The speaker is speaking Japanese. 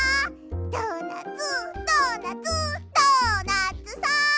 ドーナツドーナツドーナツさん！